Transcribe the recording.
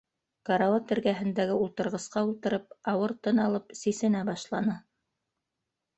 Карауат эргәһендәге ултырғысҡа ултырып, ауыр тын алып сисенә башланы.